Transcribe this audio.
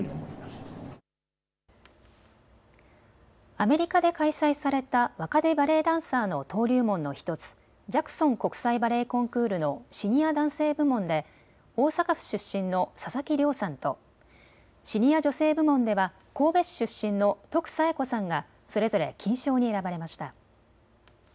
アメリカで開催された若手バレエダンサーの登竜門の１つ、ジャクソン国際バレエコンクールのシニア男性部門で大阪府出身の佐々木嶺さんとシニア女性部門では神戸市出身の徳彩也子さんがそれぞれ金賞に選ばれました。